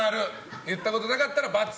言ったことなかったら×。